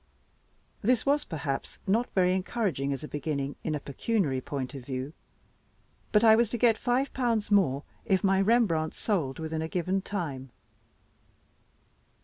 This was perhaps not very encouraging as a beginning, in a pecuniary point of view. But I was to get five pounds more, if my Rembrandt sold within a given time.